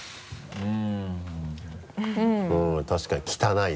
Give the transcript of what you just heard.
うん。